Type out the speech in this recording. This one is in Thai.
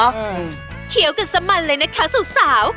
เอ้าเขียวกันซะมันเลยนะคะสุสสาว